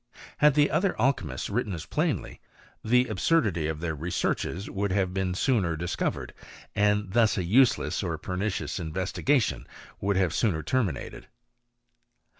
Had tbB other alchymists written as plainly, the absurdity of their' researches would have been sooner discovered; and thus a useless or pernicious investigation wouUI have sooner terminated.